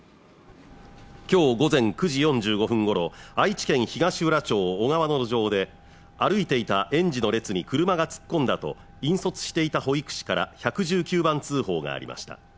今日午前９時４５分ごろ愛知県東浦町緒川の路上で歩いていた園児の列に車が突っ込んだと引率していた保育士から１１９番通報がありました